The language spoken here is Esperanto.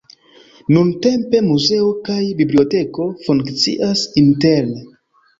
Nuntempe muzeo kaj biblioteko funkcias interne.